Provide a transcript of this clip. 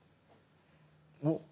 おっ！